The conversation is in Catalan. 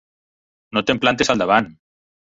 No te'm plantis al davant.